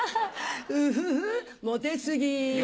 ウフフモテ過ぎ。